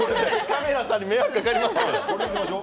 カメラさんに迷惑かかりますよ。